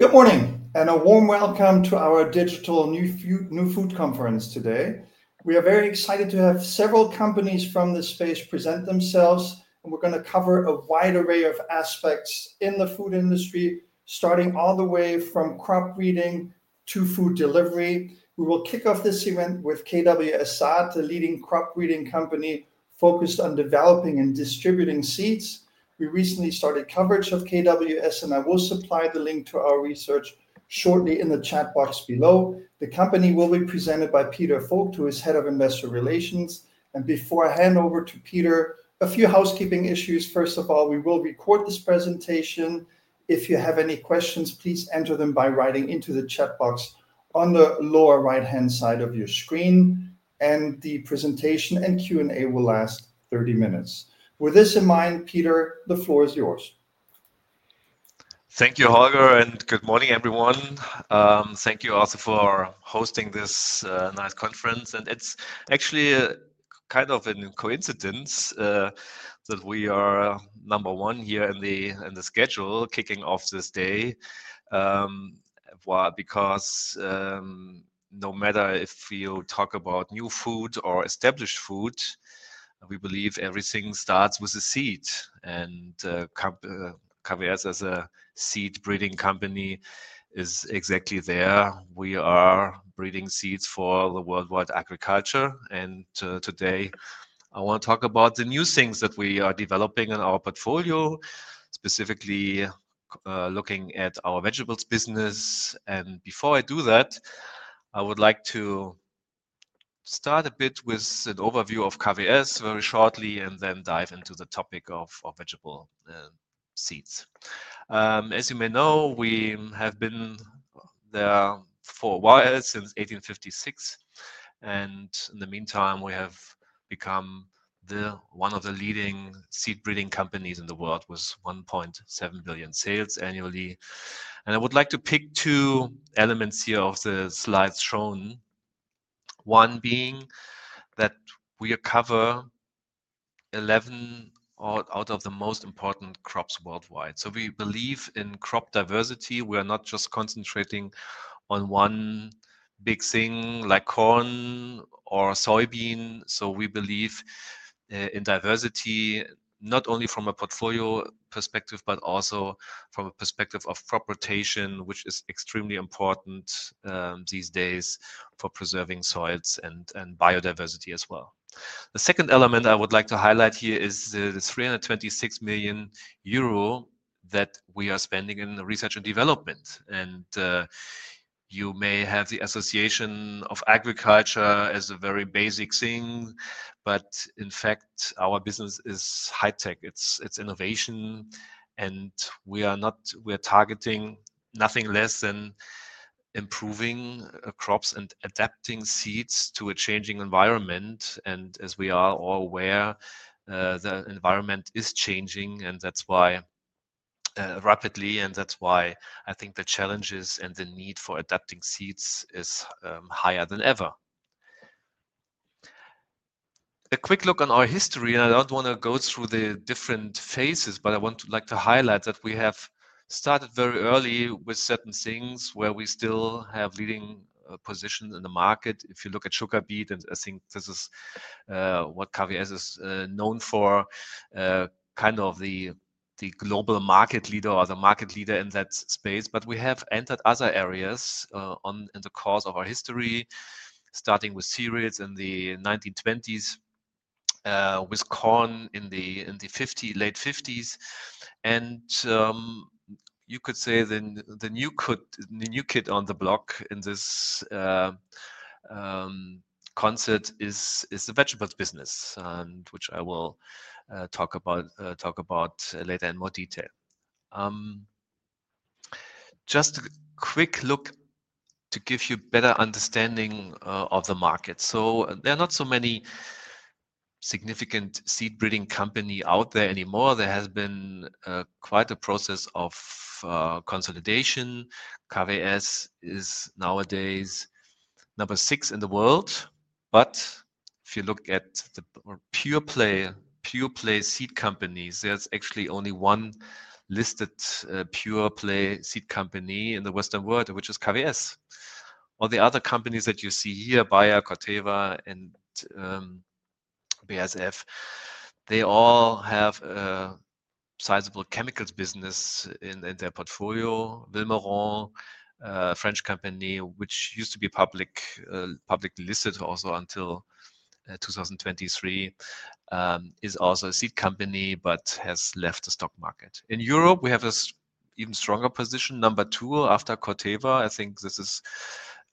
Good morning and a warm welcome to our digital new food conference today. We are very excited to have several companies from the space present themselves, and we are going to cover a wide array of aspects in the food industry, starting all the way from crop breeding to food delivery. We will kick off this event with KWS SAAT, the leading crop breeding company focused on developing and distributing seeds. We recently started coverage of KWS, and I will supply the link to our research shortly in the chat box below. The company will be presented by Peter Vogt, who is Head of Investor Relations. Before I hand over to Peter, a few housekeeping issues. First of all, we will record this presentation. If you have any questions, please enter them by writing into the chat box on the lower right-hand side of your screen, and the presentation and Q&A will last 30 minutes. With this in mind, Peter, the floor is yours. Thank you, Holger, and good morning, everyone. Thank you also for hosting this nice conference. It's actually kind of a coincidence that we are number one here in the schedule kicking off this day, because no matter if you talk about new food or established food, we believe everything starts with a seed. KWS, as a seed breeding company, is exactly there. We are breeding seeds for the worldwide agriculture. Today, I want to talk about the new things that we are developing in our portfolio, specifically looking at our vegetables business. Before I do that, I would like to start a bit with an overview of KWS very shortly, and then dive into the topic of vegetable seeds. As you may know, we have been there for a while, since 1856. In the meantime, we have become one of the leading seed breeding companies in the world with 1.7 billion sales annually. I would like to pick two elements here of the slides shown, one being that we cover 11 out of the most important crops worldwide. We believe in crop diversity. We are not just concentrating on one big thing like corn or soybean. We believe in diversity, not only from a portfolio perspective, but also from a perspective of crop rotation, which is extremely important these days for preserving soils and biodiversity as well. The second element I would like to highlight here is the 326 million euro that we are spending in research and development. You may have the association of agriculture as a very basic thing, but in fact, our business is high-tech. It's innovation. We are targeting nothing less than improving crops and adapting seeds to a changing environment. As we are all aware, the environment is changing, and that's why, rapidly, and that's why I think the challenges and the need for adapting seeds is higher than ever. A quick look on our history, and I don't want to go through the different phases, but I would like to highlight that we have started very early with certain things where we still have leading positions in the market. If you look at sugar beet, and I think this is what KWS is known for, kind of the global market leader or the market leader in that space. We have entered other areas in the course of our history, starting with cereals in the 1920s, with corn in the late 1950s. You could say the new kid on the block in this concert is the vegetables business, which I will talk about later in more detail. Just a quick look to give you a better understanding of the market. There are not so many significant seed breeding companies out there anymore. There has been quite a process of consolidation. KWS is nowadays number six in the world. If you look at the pure-play seed companies, there is actually only one listed pure-play seed company in the Western world, which is KWS. All the other companies that you see here, Bayer, Corteva, and BASF, all have a sizable chemicals business in their portfolio. Vilmorin, a French company, which used to be publicly listed also until 2023, is also a seed company but has left the stock market. In Europe, we have an even stronger position, number two after Corteva. I think this is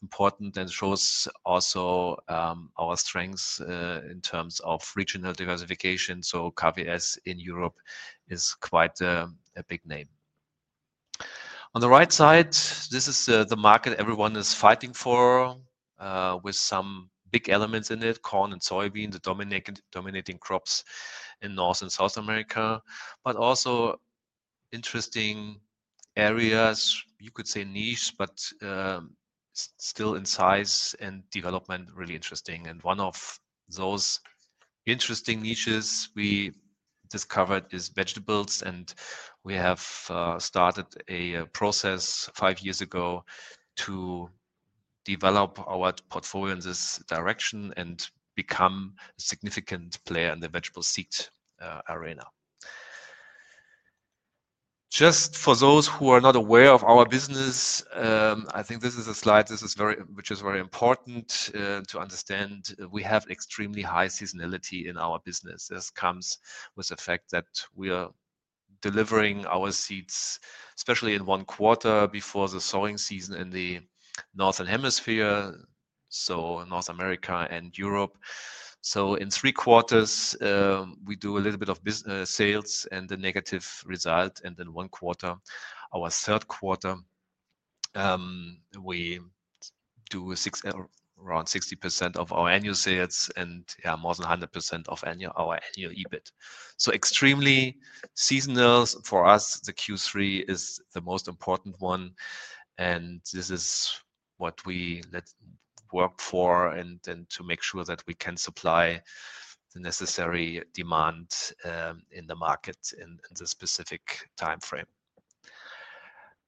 important and shows also our strengths in terms of regional diversification. KWS in Europe is quite a big name. On the right side, this is the market everyone is fighting for with some big elements in it, corn and soybean, the dominating crops in North and South America. You could say niche, but still in size and development, really interesting. One of those interesting niches we discovered is vegetables. We have started a process five years ago to develop our portfolio in this direction and become a significant player in the vegetable seed arena. Just for those who are not aware of our business, I think this is a slide which is very important to understand. We have extremely high seasonality in our business. This comes with the fact that we are delivering our seeds, especially in one quarter before the sowing season in the northern hemisphere, so North America and Europe. In three quarters, we do a little bit of sales and the negative result. In one quarter, our third quarter, we do around 60% of our annual sales and more than 100% of our annual EBIT. Extremely seasonal for us, the Q3 is the most important one. This is what we work for, to make sure that we can supply the necessary demand in the market in the specific time frame.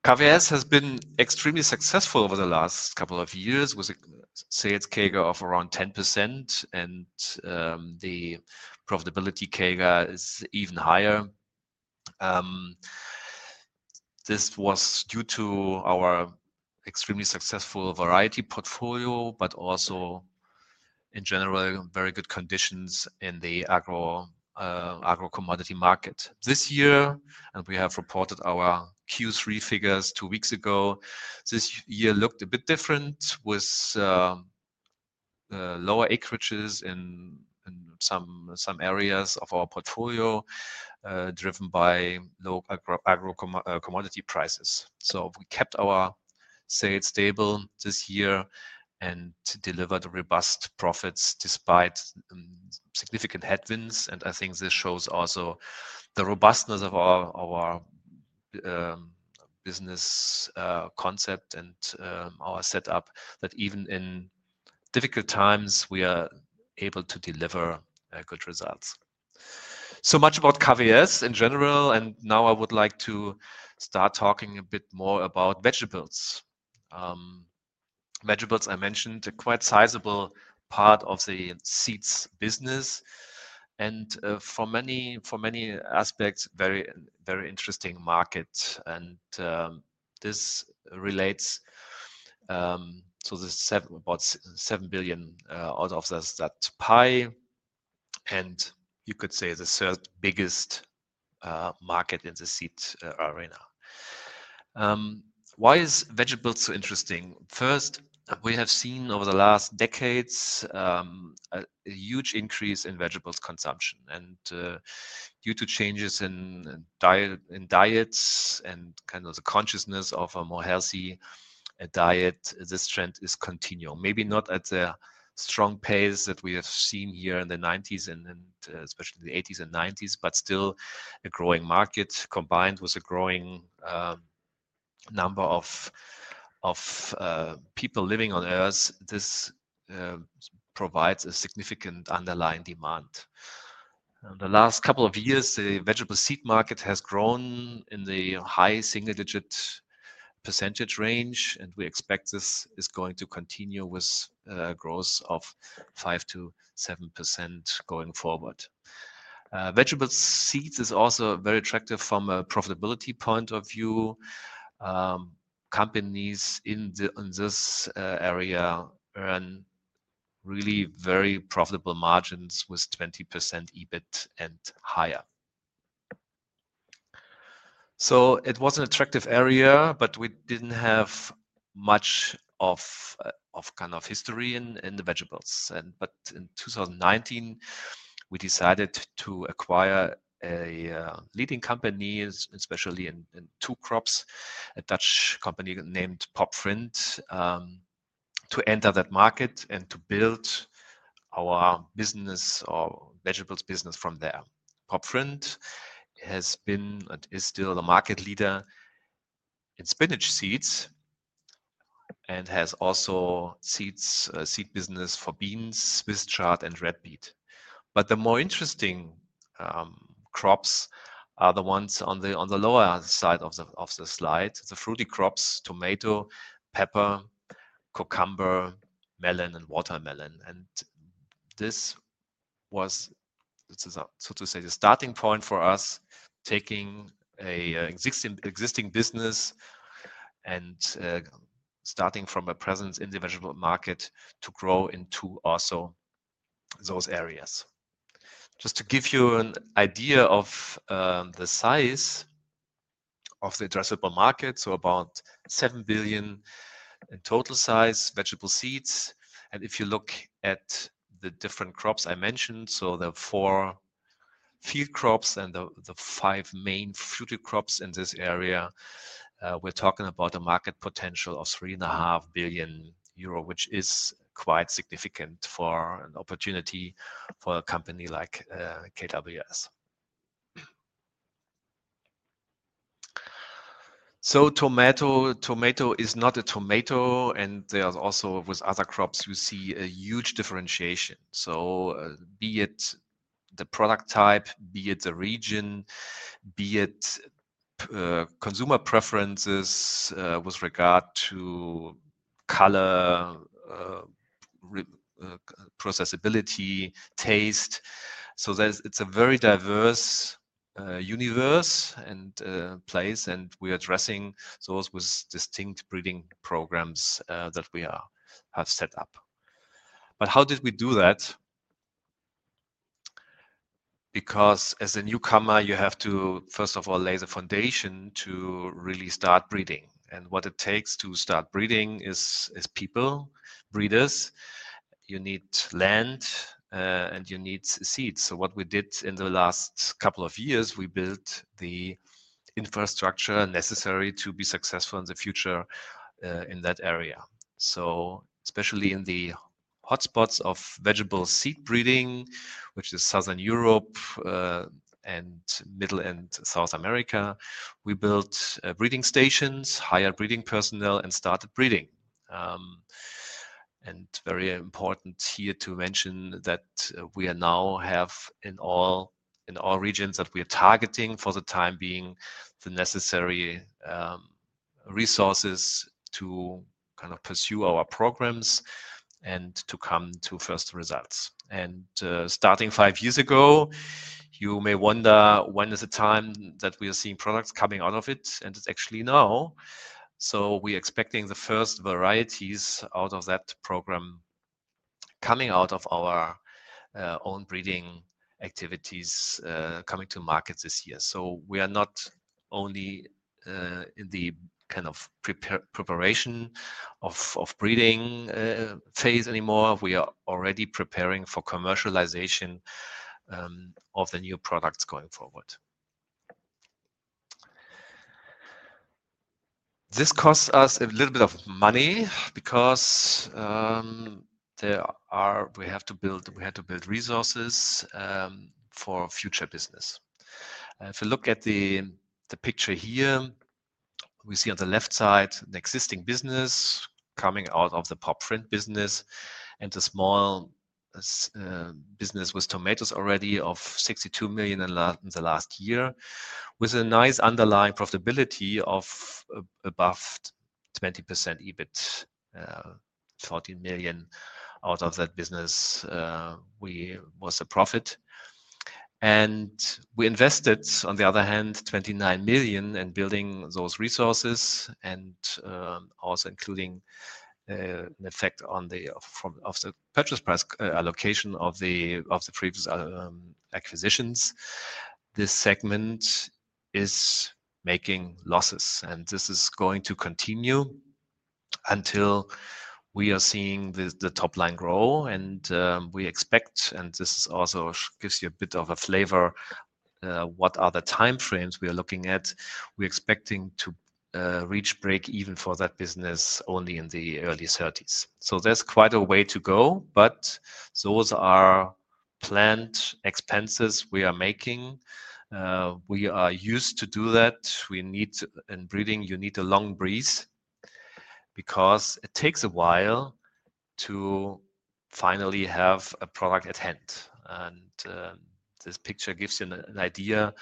KWS has been extremely successful over the last couple of years with a sales CAGR of around 10%, and the profitability CAGR is even higher. This was due to our extremely successful variety portfolio, but also in general, very good conditions in the agro-commodity market. This year, and we have reported our Q3 figures two weeks ago, this year looked a bit different with lower acreages in some areas of our portfolio driven by low agro-commodity prices. We kept our sales stable this year and delivered robust profits despite significant headwinds. I think this shows also the robustness of our business concept and our setup that even in difficult times, we are able to deliver good results. So much about KWS in general. Now I would like to start talking a bit more about vegetables. Vegetables, I mentioned, are quite a sizable part of the seeds business and for many aspects, a very interesting market. This relates to about 7 billion out of that pie. You could say the third biggest market in the seed arena. Why is vegetables so interesting? First, we have seen over the last decades a huge increase in vegetables consumption. Due to changes in diets and kind of the consciousness of a more healthy diet, this trend is continuing. Maybe not at the strong pace that we have seen here in the 1980s and especially the 1980s and 1990s, but still a growing market combined with a growing number of people living on Earth. This provides a significant underlying demand. In the last couple of years, the vegetable seed market has grown in the high single-digit percentage range. We expect this is going to continue with a growth of 5% to 7% going forward. Vegetable seeds is also very attractive from a profitability point of view. Companies in this area earn really very profitable margins with 20% EBIT and higher. It was an attractive area, but we did not have much of kind of history in the vegetables. In 2019, we decided to acquire a leading company, especially in two crops, a Dutch company named Pop Vriend, to enter that market and to build our vegetables business from there. Pop Vriend has been and is still the market leader in spinach seeds and has also a seed business for beans, Swiss chard, and red beet. The more interesting crops are the ones on the lower side of the slide, the fruity crops, tomato, pepper, cucumber, melon, and watermelon. This was, so to say, the starting point for us, taking an existing business and starting from a presence in the vegetable market to grow into also those areas. Just to give you an idea of the size of the addressable market, about 7 billion in total size vegetable seeds. If you look at the different crops I mentioned, the four field crops and the five main fruity crops in this area, we're talking about a market potential of 3.5 billion euro, which is quite significant for an opportunity for a company like KWS. Tomato is not a tomato. There are also, with other crops, you see a huge differentiation. Be it the product type, be it the region, be it consumer preferences with regard to color, processability, taste. It is a very diverse universe and place. We are addressing those with distinct breeding programs that we have set up. How did we do that? As a newcomer, you have to, first of all, lay the foundation to really start breeding. What it takes to start breeding is people, breeders. You need land, and you need seeds. What we did in the last couple of years, we built the infrastructure necessary to be successful in the future in that area. Especially in the hotspots of vegetable seed breeding, which is Southern Europe and Middle and South America, we built breeding stations, hired breeding personnel, and started breeding. Very important here to mention that we now have in all regions that we are targeting for the time being the necessary resources to kind of pursue our programs and to come to first results. Starting five years ago, you may wonder when is the time that we are seeing products coming out of it. It is actually now. We are expecting the first varieties out of that program coming out of our own breeding activities coming to market this year. We are not only in the kind of preparation of breeding phase anymore. We are already preparing for commercialization of the new products going forward. This costs us a little bit of money because we have to build resources for future business. If you look at the picture here, we see on the left side an existing business coming out of the Pop Vriend business and a small business with tomatoes already of 62 million in the last year with a nice underlying profitability of above 20% EBIT, 14 million out of that business was a profit. We invested, on the other hand, 29 million in building those resources and also including an effect on the purchase price allocation of the previous acquisitions. This segment is making losses. This is going to continue until we are seeing the top line grow. We expect, and this also gives you a bit of a flavor, what are the time frames we are looking at. We are expecting to reach break even for that business only in the early 2030s. There is quite a way to go. Those are planned expenses we are making. We are used to do that. In breeding, you need a long breeze because it takes a while to finally have a product at hand. This picture gives you an idea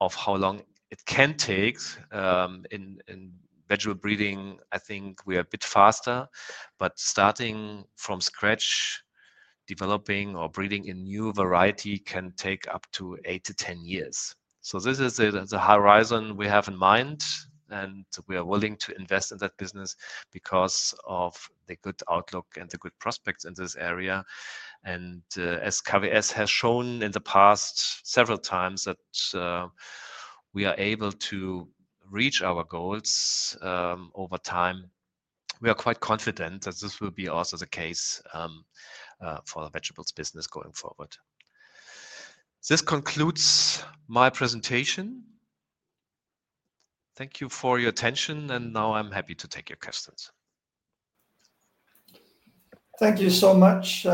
of how long it can take. In vegetable breeding, I think we are a bit faster. Starting from scratch, developing or breeding a new variety can take up to 8-10 years. This is the horizon we have in mind. We are willing to invest in that business because of the good outlook and the good prospects in this area. As KWS has shown in the past several times that we are able to reach our goals over time, we are quite confident that this will be also the case for the vegetables business going forward. This concludes my presentation. Thank you for your attention. Now I am happy to take your questions. Thank you so much.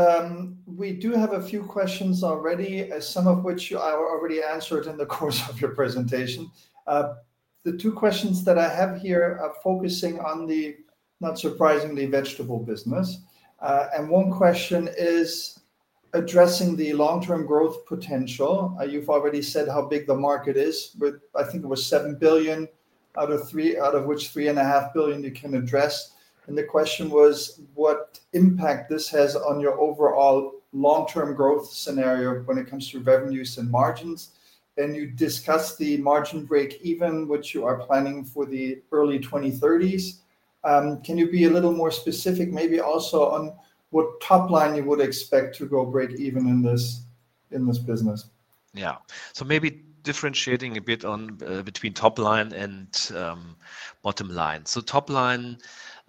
We do have a few questions already, some of which I already answered in the course of your presentation. The two questions that I have here are focusing on the, not surprisingly, vegetable business. One question is addressing the long-term growth potential. You have already said how big the market is. I think it was 7 billion, out of which 3.5 billion you can address. The question was, what impact this has on your overall long-term growth scenario when it comes to revenues and margins? You discussed the margin break even, which you are planning for the early 2030s. Can you be a little more specific, maybe also on what top line you would expect to go break even in this business? Yeah. Maybe differentiating a bit between top line and bottom line. Top line,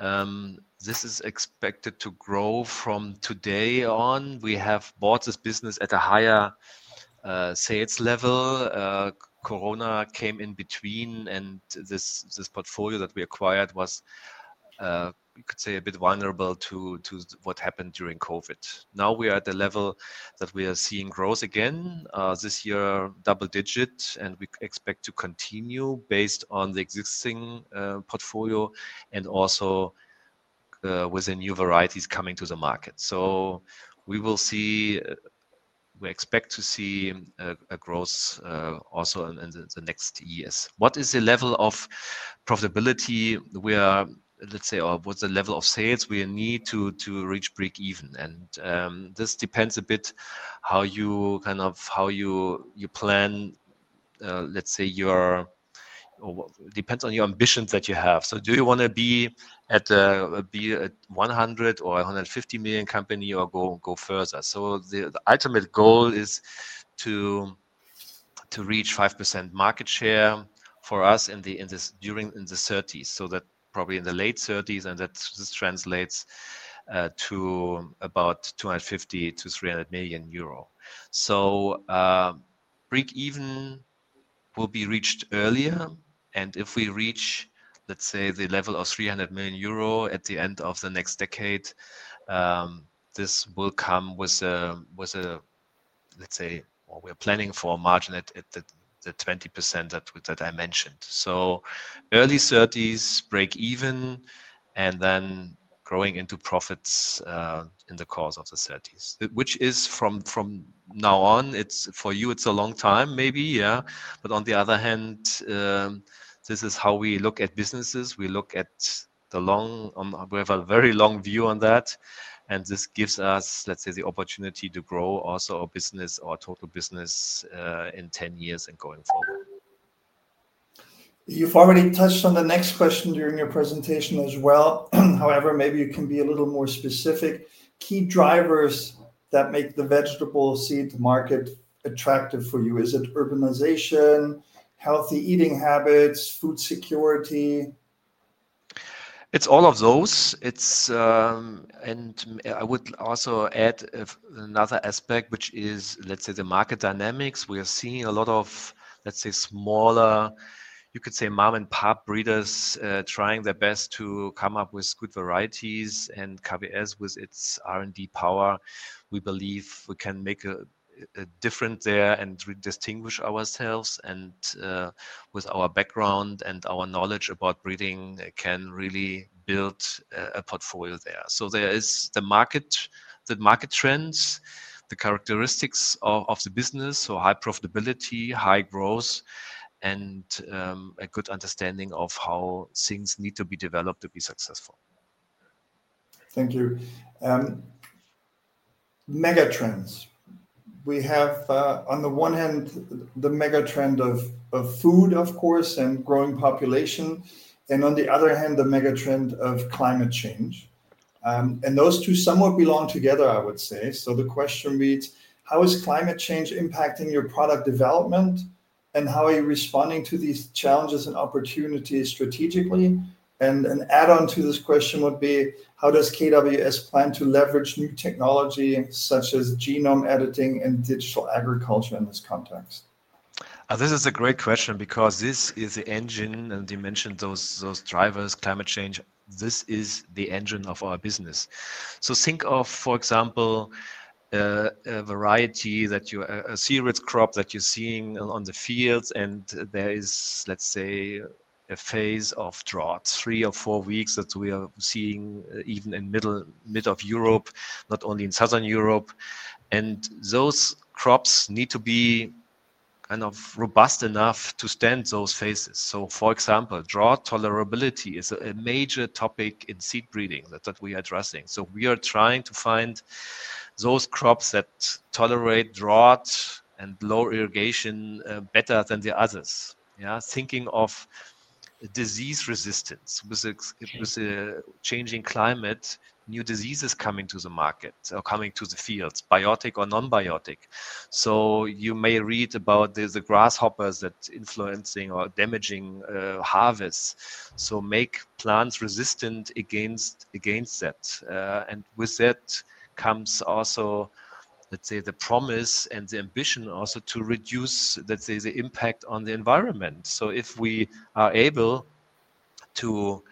this is expected to grow from today on. We have bought this business at a higher sales level. Corona came in between. This portfolio that we acquired was, you could say, a bit vulnerable to what happened during COVID. Now we are at the level that we are seeing growth again. This year, double digit. We expect to continue based on the existing portfolio and also with the new varieties coming to the market. We expect to see a growth also in the next years. What is the level of profitability? Let's say, what's the level of sales we need to reach break even? This depends a bit how you kind of how you plan, let's say, depends on your ambitions that you have. Do you want to be at a 100 or 150 million company or go further? The ultimate goal is to reach 5% market share for us during the 2030s, probably in the late 2030s. That translates to about 250 million-300 million euro. Break even will be reached earlier. If we reach, let's say, the level of 300 million euro at the end of the next decade, this will come with a, let's say, we're planning for a margin at the 20% that I mentioned. Early 2030s, break even, and then growing into profits in the course of the 2030s, which is from now on, for you, it's a long time, maybe. Yeah. On the other hand, this is how we look at businesses. We look at the long, we have a very long view on that. This gives us, let's say, the opportunity to grow also our business or total business in 10 years and going forward. You've already touched on the next question during your presentation as well. However, maybe you can be a little more specific. Key drivers that make the vegetable seed market attractive for you? Is it urbanization, healthy eating habits, food security? It's all of those. I would also add another aspect, which is, let's say, the market dynamics. We are seeing a lot of, let's say, smaller, you could say, mom-and-pop breeders trying their best to come up with good varieties. KWS, with its R&D power, we believe we can make a difference there and distinguish ourselves. With our background and our knowledge about breeding, can really build a portfolio there. There is the market, the market trends, the characteristics of the business, so high profitability, high growth, and a good understanding of how things need to be developed to be successful. Thank you. Megatrends. We have, on the one hand, the megatrend of food, of course, and growing population. On the other hand, the megatrend of climate change. Those two somewhat belong together, I would say. The question reads, how is climate change impacting your product development? How are you responding to these challenges and opportunities strategically? An add-on to this question would be, how does KWS plan to leverage new technology such as genome editing and digital agriculture in this context? This is a great question because this is the engine. You mentioned those drivers, climate change. This is the engine of our business. Think of, for example, a variety, a cereal crop that you're seeing on the fields. There is, let's say, a phase of drought, three or four weeks that we are seeing even in middle of Europe, not only in Southern Europe. Those crops need to be kind of robust enough to stand those phases. For example, drought tolerability is a major topic in seed breeding that we are addressing. We are trying to find those crops that tolerate drought and low irrigation better than the others. Yeah. Thinking of disease resistance. With a changing climate, new diseases are coming to the market or coming to the fields, biotic or non-biotic. You may read about the grasshoppers that are influencing or damaging harvests. Make plants resistant against that. With that comes also, let's say, the promise and the ambition also to reduce, let's say, the impact on the environment. If we are able to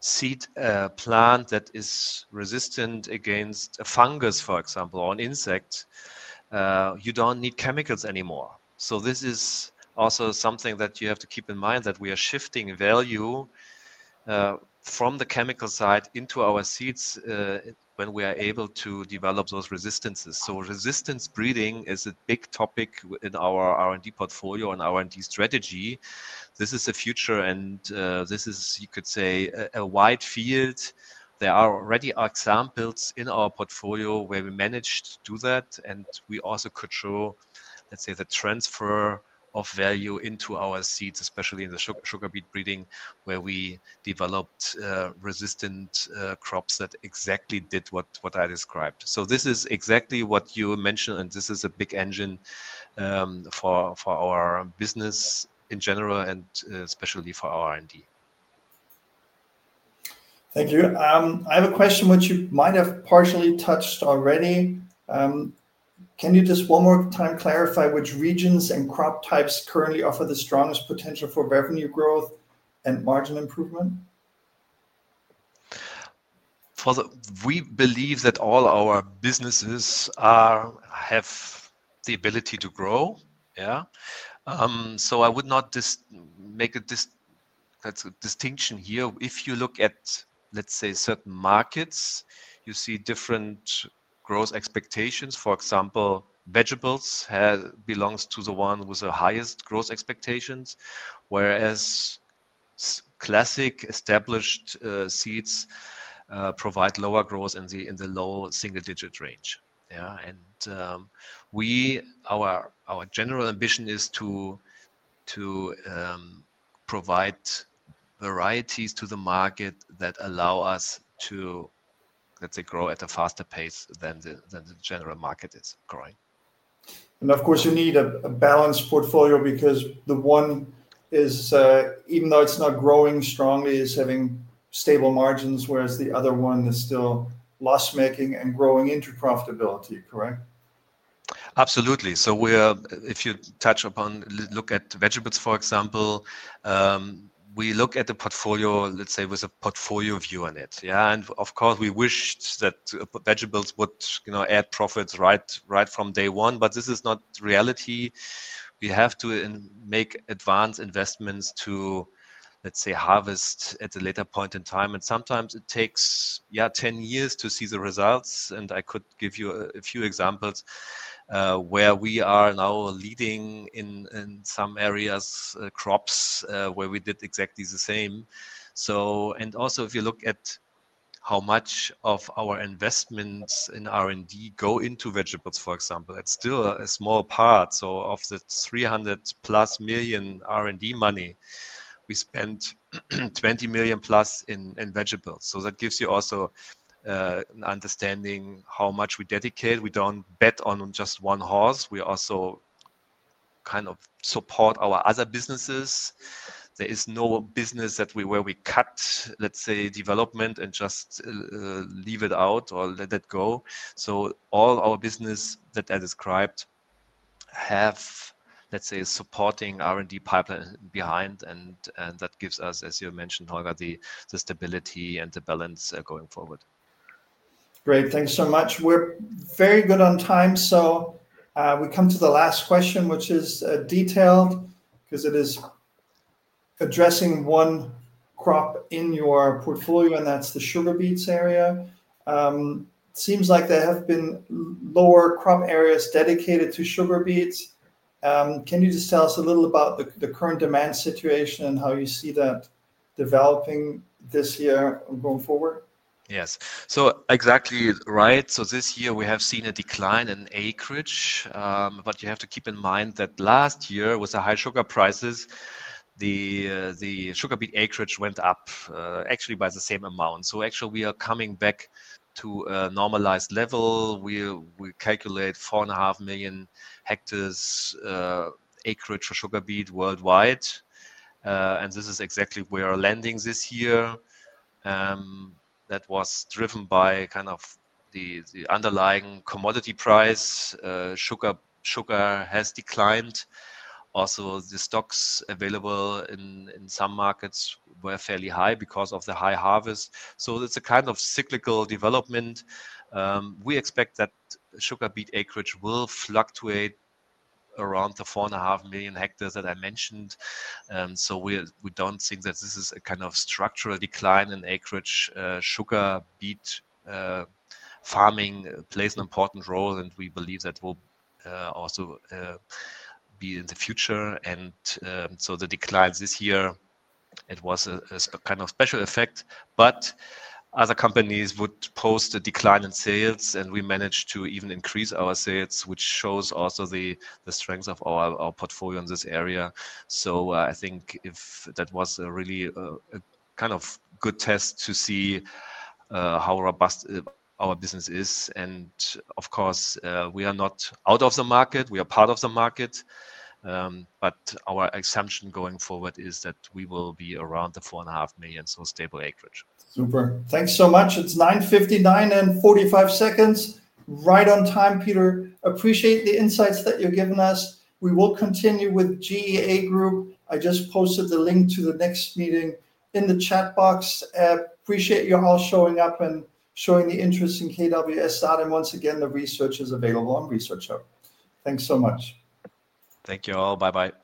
seed a plant that is resistant against a fungus, for example, or an insect, you do not need chemicals anymore. This is also something that you have to keep in mind, that we are shifting value from the chemical side into our seeds when we are able to develop those resistances. Resistance breeding is a big topic in our R&D portfolio and R&D strategy. This is the future. This is, you could say, a wide field. There are already examples in our portfolio where we managed to do that. We also could show, let's say, the transfer of value into our seeds, especially in the sugar beet breeding, where we developed resistant crops that exactly did what I described. This is exactly what you mentioned. This is a big engine for our business in general and especially for our R&D. Thank you. I have a question, which you might have partially touched already. Can you just one more time clarify which regions and crop types currently offer the strongest potential for revenue growth and margin improvement? We believe that all our businesses have the ability to grow. Yeah. I would not make a distinction here. If you look at, let's say, certain markets, you see different growth expectations. For example, vegetables belong to the one with the highest growth expectations, whereas classic established seeds provide lower growth in the low single-digit range. Yeah. Our general ambition is to provide varieties to the market that allow us to, let's say, grow at a faster pace than the general market is growing. Of course, you need a balanced portfolio because the one is, even though it's not growing strongly, is having stable margins, whereas the other one is still loss-making and growing into profitability, correct? Absolutely. If you touch upon, look at vegetables, for example, we look at the portfolio, let's say, with a portfolio view on it. Yeah. Of course, we wished that vegetables would add profits right from day one. This is not reality. We have to make advanced investments to, let's say, harvest at a later point in time. Sometimes it takes, yeah, 10 years to see the results. I could give you a few examples where we are now leading in some areas, crops where we did exactly the same. Also, if you look at how much of our investments in R&D go into vegetables, for example, it is still a small part. Of the 300+ million R&D money, we spend 20+ million in vegetables. That gives you also an understanding how much we dedicate. We do not bet on just one horse. We also kind of support our other businesses. There is no business where we cut, let's say, development and just leave it out or let it go. So all our business that I described have, let's say, a supporting R&D pipeline behind. That gives us, as you mentioned, Holger, the stability and the balance going forward. Great. Thanks so much. We're very good on time. We come to the last question, which is detailed because it is addressing one crop in your portfolio, and that's the sugar beet area. It seems like there have been lower crop areas dedicated to sugar beet. Can you just tell us a little about the current demand situation and how you see that developing this year going forward? Yes. Exactly right. This year, we have seen a decline in acreage. You have to keep in mind that last year, with the high sugar prices, the sugar beet acreage went up actually by the same amount. Actually, we are coming back to a normalized level. We calculate 4.5 million hectares acreage for sugar beet worldwide. This is exactly where we are landing this year. That was driven by kind of the underlying commodity price. Sugar has declined. Also, the stocks available in some markets were fairly high because of the high harvest. It is a kind of cyclical development. We expect that sugar beet acreage will fluctuate around the 4.5 million hectares that I mentioned. We do not think that this is a kind of structural decline in acreage. Sugar beet farming plays an important role. We believe that will also be in the future. The decline this year, it was a kind of special effect. Other companies would post a decline in sales. We managed to even increase our sales, which shows also the strength of our portfolio in this area. I think that was really a kind of good test to see how robust our business is. Of course, we are not out of the market. We are part of the market. Our assumption going forward is that we will be around the 4.5 million, so stable acreage. Super. Thanks so much. It's 9:59 A.M. and 45 seconds. Right on time, Peter. Appreciate the insights that you've given us. We will continue with GEA Group. I just posted the link to the next meeting in the chat box. Appreciate you all showing up and showing the interest in KWS SAAT. Once again, the research is available on Research Hub. Thanks so much. Thank you all. Bye-bye.